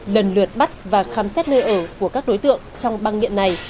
lần lượt bắt và khám xét nơi ở của các đối tượng trong băng nghiện này